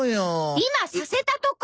今させたとこ！！